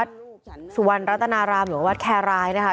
เชื่อมเผิดกระทุ่มแบนจังหวัดสมุทรสาคร